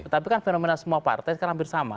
tapi kan fenomena semua partai sekarang hampir sama